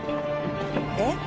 え？